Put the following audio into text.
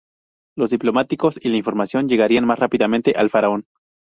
Los diplomáticos y la información llegarían más rápidamente al faraón.